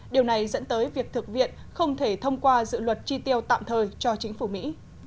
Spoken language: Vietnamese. điều này dẫn tới việc thực viện không thể thông qua dự luật tri tiêu tạm thời cho chính phủ mỹ